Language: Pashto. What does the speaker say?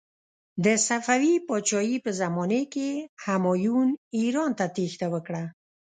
د صفوي پادشاهي په زمانې کې همایون ایران ته تیښته وکړه.